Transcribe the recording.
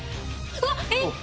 うわっ！え！？